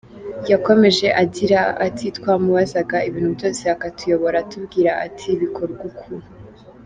Yakomeje agira ati "Twamubazaga ibintu byose akatuyobora atubwira ati ‘bikorwa uku’.